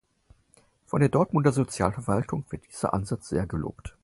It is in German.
Von der Dortmunder Sozialverwaltung wird dieser Ansatz sehr gelobt.